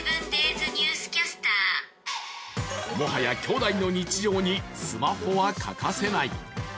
もはや兄弟の日常にスマホは欠かせない。